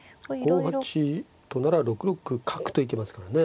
５八となら６六角と行けますからね。